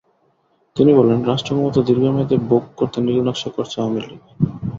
তিনি বলেন, রাষ্ট্রক্ষমতা দীর্ঘ মেয়াদে ভোগ করতে নীলনকশা করছে আওয়ামী লীগ।